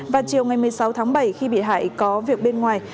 vào chiều ngày một mươi sáu tháng bảy khi bị hại có việc bên ngoài